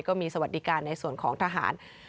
สวัสดิการในส่วนของทหาร